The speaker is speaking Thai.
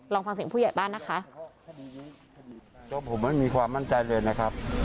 ลองฟังเสียงผู้ใหญ่บ้างนะคะ